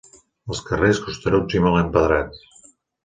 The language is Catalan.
Els carrers, costeruts i mal empedrats.